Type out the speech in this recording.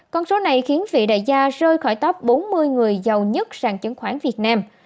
con số này khiến vị đại gia rơi khỏi top bốn mươi người giàu nhất sàn chứng khoán việt nam